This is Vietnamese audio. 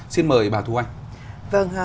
xin mời bà thu anh